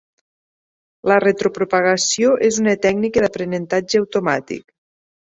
La retropropagació és una tècnica d'aprenentatge automàtic.